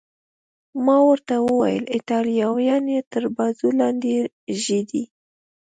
ما ورته وویل: ایټالویان یې تر بازو لاندې ږدي.